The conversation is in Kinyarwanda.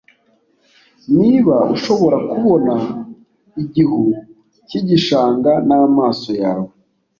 niba ushobora kubona igihu cyigishanga n'amaso yawe